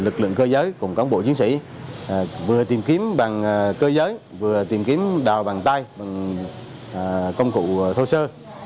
lực lượng cơ giới cùng cán bộ chiến sĩ vừa tìm kiếm bằng cơ giới vừa tìm kiếm đào bằng tay bằng công cụ thô sơ